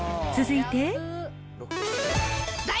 続いて。